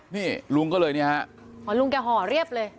นี่ลุงก็เลยเนี่ยฮะอ๋อลุงแกห่อเรียบเลย